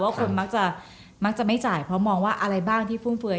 ว่าคนมักจะไม่จ่ายเพราะมองว่าอะไรบ้างที่ฟุ่มเฟย์